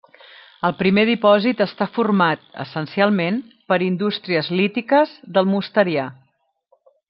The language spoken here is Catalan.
El primer dipòsit està format, essencialment, per indústries lítiques del mosterià.